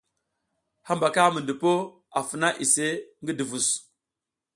Hambaka mi ndupa a funa iseʼe ngi duvus.